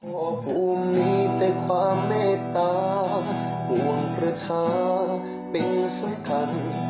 ขอบคุณมีแต่ความเน้ตาห่วงประชาเป็นสำคัญ